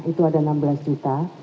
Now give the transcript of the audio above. itu ada enam belas juta